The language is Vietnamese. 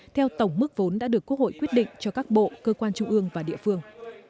theo tổng mức vốn đã được quốc hội quyết định cho các bộ cơ quan trung ương và địa phương